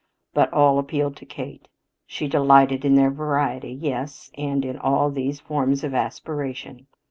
But all appealed to Kate. She delighted in their variety yes, and in all these forms of aspiration.